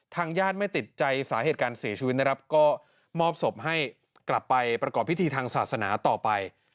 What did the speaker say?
ญาติไม่ติดใจสาเหตุการเสียชีวิตนะครับก็มอบศพให้กลับไปประกอบพิธีทางศาสนาต่อไป